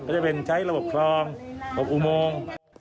ก็จะเป็นใช้ระบบคลอง๖อุโมง